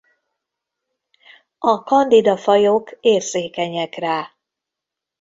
A Candida fajok érzékenyek rá.